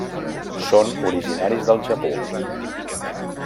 Són originaris del Japó.